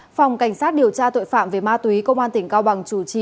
phòng cảnh sát điều tra tội phạm về ma túy công an tỉnh cao bằng chủ trì